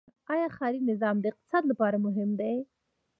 آیا ښاري نظم د اقتصاد لپاره مهم دی؟